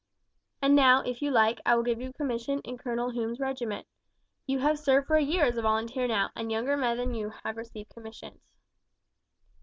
And now, if you like, I will give you a commission in Colonel Hume's regiment. You have served for a year as a volunteer now, and younger men than you have received commissions."